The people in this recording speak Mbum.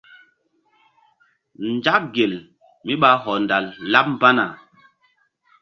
Nzak gel mí ɓa hɔndal laɓ mbana.